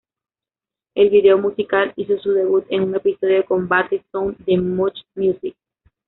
El video musical hizo su debut en un episodio de Combate Zone de MuchMusic.